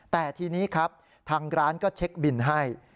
แต่ทีนี้ครับทางร้านก็เช็คบินให้